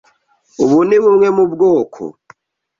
Ubu ni bumwe mu bwoko.